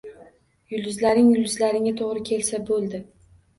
Yulduzinglar yulduzinglarga to`g`ri kelsa bo`ldi